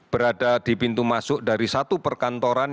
berada di pintu masuk dari satu perkantoran